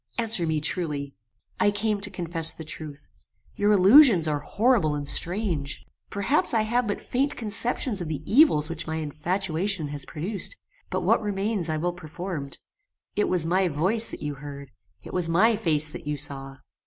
Answer me truly." "I came to confess the truth. Your allusions are horrible and strange. Perhaps I have but faint conceptions of the evils which my infatuation has produced; but what remains I will perform. It was my VOICE that you heard! It was my FACE that you saw!"